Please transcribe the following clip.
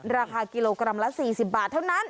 ราคากิโลกรัมละ๔๐บาทเท่านั้น